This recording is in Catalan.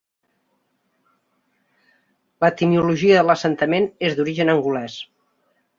L'etimologia de l'assentament és d'origen angolès.